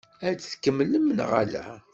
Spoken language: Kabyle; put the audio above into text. Ad t-tkemmlem neɣ ala?